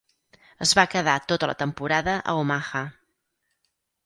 Es va quedar tota la temporada a Omaha.